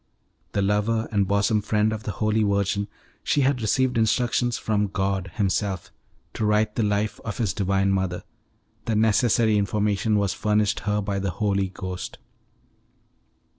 The lover and bosom friend of the Holy Virgin, she had received instructions from God Himself to write the life of His divine mother; the necessary information was furnished her by the Holy Ghost.